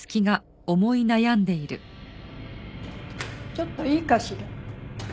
ちょっといいかしら？